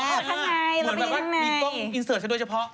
แล้วไปอยู่ด้านในเหมือนแบบว่ามีกล้องอินเสิร์ชด้วยเฉพาะ